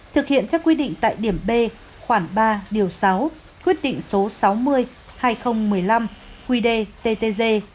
thực hiện theo quy định tại điểm b khoản ba điều sáu quyết định số sáu mươi hai nghìn một mươi năm quy đề ttg